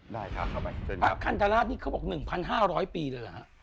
ได้ครับอันนี้เขาบอก๑๕๐๐ปีเลยเหรอฮะ